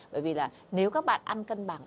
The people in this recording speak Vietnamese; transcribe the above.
bởi vì là nếu các bạn ăn cân bằng